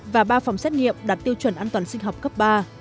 và ba phòng xét nghiệm đạt tiêu chuẩn an toàn sinh học cấp ba